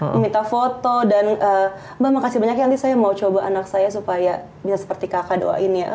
meminta foto dan mbak makasih banyak ya nanti saya mau coba anak saya supaya bisa seperti kakak doain ya